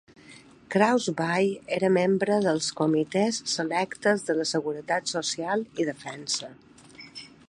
Crausby era membre dels comitès selectes de la seguretat social i defensa.